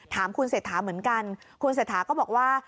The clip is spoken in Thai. ถามคุณเศรษฐาเหมือนกันคุณเศรษฐาก็บอกว่า